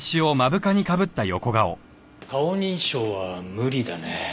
顔認証は無理だね。